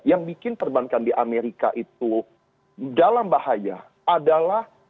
yang bikin perbankan di amerika itu dalam bahaya adalah